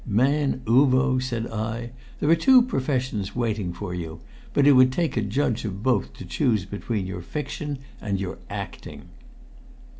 "Man Uvo," said I, "there are two professions waiting for you; but it would take a judge of both to choose between your fiction and your acting."